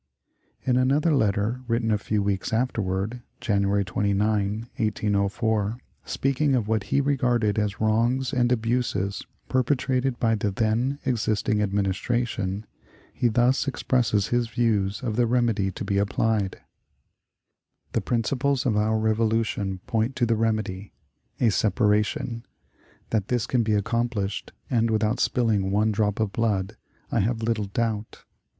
" In another letter, written a few weeks afterward (January 29, 1804), speaking of what he regarded as wrongs and abuses perpetrated by the then existing Administration, he thus expresses his views of the remedy to be applied: "The principles of our Revolution point to the remedy a separation. That this can be accomplished, and without spilling one drop of blood, I have little doubt....